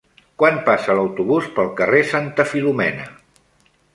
Quan passa l'autobús pel carrer Santa Filomena?